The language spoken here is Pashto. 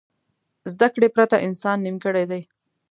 زده کړې پرته انسان نیمګړی دی.